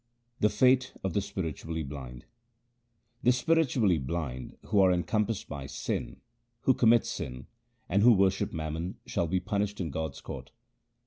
3 The fate of the spiritually blind :— The spiritually blind who are encompassed by sin, who commit sin, And who worship mammon, shall be punished in God's court.